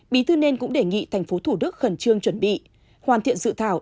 bí thư nên cũng đề nghị thành phố thủ đức khẩn trương chuẩn bị hoàn thiện dự thảo